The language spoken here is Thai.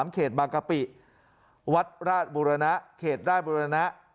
เขตบางกะปิวัดราชบุรณะเขตราชบุรณะ